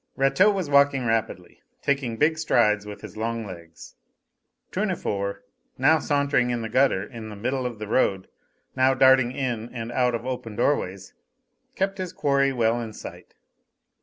Rateau was walking rapidly, taking big strides with his long legs. Tournefort, now sauntering in the gutter in the middle of the road, now darting in and out of open doorways, kept his quarry well in sight.